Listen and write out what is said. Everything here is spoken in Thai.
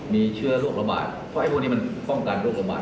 มีเชื้อโรคโปรบัติพรรณีมันก้อนวงภองกันโรคโปรบัติ